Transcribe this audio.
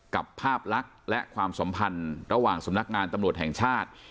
กับภาพลักษณ์และความสัมพันธ์ระหว่างสำนักงานตำรวจแห่งชาติ